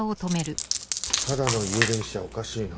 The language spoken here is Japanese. ただの家出にしちゃおかしいな。